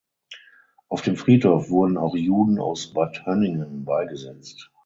Auf dem Friedhof wurden auch Juden aus Bad Hönningen beigesetzt.